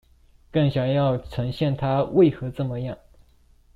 更想要呈現他為何這麼樣